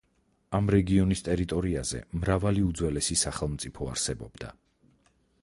ამ რეგიონის ტერიტორიაზე მრავალი უძველესი სახელმწიფო არსებობდა.